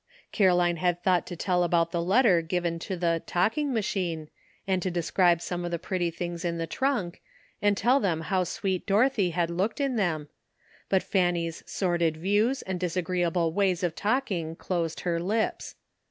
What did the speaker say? Caroline had thought to tell about the letter given to the "talking machine," and to describe some of the pretty things in the trunk, and tell them how sweet Dorothy had looked in them, but Fanny's sordid views and disagreeable ways of talking closed her lips.